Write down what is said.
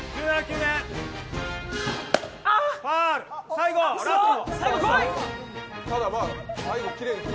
最後、ラスト！